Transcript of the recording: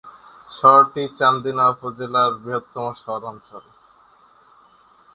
শহরটি চান্দিনা উপজেলার বৃহত্তম শহরাঞ্চল।